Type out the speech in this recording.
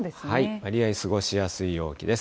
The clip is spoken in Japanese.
わりあい過ごしやすい陽気です。